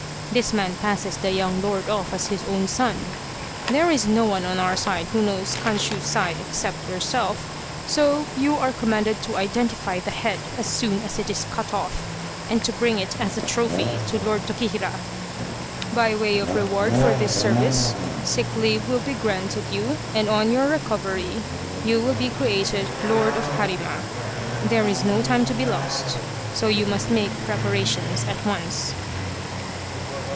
This man passes the young lord off as his own son. There is no one on our side who knows Kanshusai except yourself, so you are commanded to identify the head as soon as it is cut off, and to bring it as a trophy to Lord Tokihira. By way of reward for this service sick leave will be granted you, and on your recovery you will be created Lord of Harima. There is no time to be lost, so you must make preparations at once."